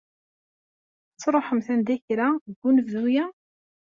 Ad truḥemt anda kra deg unebdu-ya?